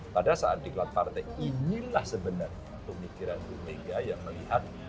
pada saat diklat partai inilah sebenarnya pemikiran bu mega yang melihat